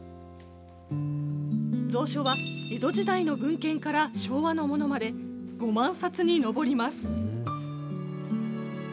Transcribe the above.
蔵書は、江戸時代の文献から昭和のものまで、５万冊に上ります。